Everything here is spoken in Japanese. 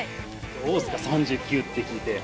どうですか、３９って聞いて。